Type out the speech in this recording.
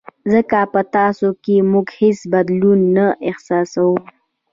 ځکه په تاسو کې موږ هېڅ بدلون نه احساسوو.